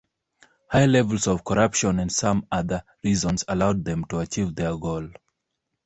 High levels of corruption and some other reasons allowed them to achieve their goal.